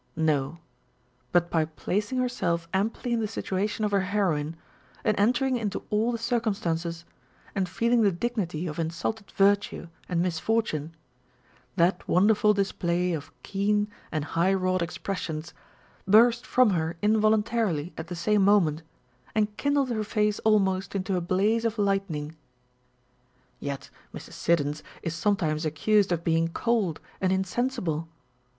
No â€" but by placing herself amply in the situation of her heroine, and enter ing into all the circumstances, and feeling the dignity of insulted virtue and misfortune, that wonderful display of keen and high wrought expressions burst from her in voluntarily at the same moment, and kindled her face almost into a blaze of lightning. Yet Mrs. Siddons is sometimes accused of being cold and insensible.